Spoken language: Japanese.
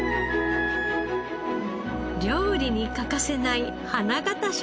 料理に欠かせない花形食材。